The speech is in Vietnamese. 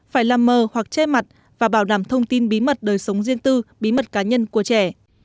phải làm mờ hoặc che mặt và bảo đảm thông tin bí mật đời sống riêng tư bí mật cá nhân của trẻ